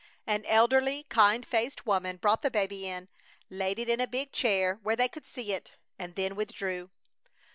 An elderly, kind faced woman brought the baby in, laid it in a big chair where they could see it, and then withdrew.